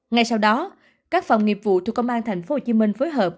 ngay sau đó các phòng nghiệp vụ thuộc công an thành phố hồ chí minh phối hợp